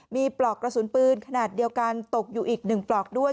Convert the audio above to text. มีปลอกกระสุนปืนขนาดเดียวกันตกอยู่อีก๑ปลอกด้วย